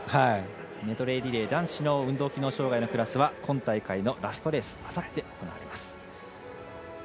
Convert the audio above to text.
メドレーリレー男子の運動機能障がいのクラスは今大会のラストレースあさって行われます。